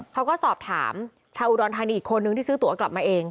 เขาก็สอบถามชาวอุดรธานีอีกคนนึงที่ซื้อตัวกลับมาเอง